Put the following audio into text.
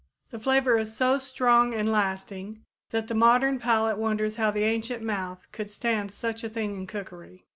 The flavor is so strong and lasting that the modern palate wonders how the ancient mouth could stand such a thing in cookery.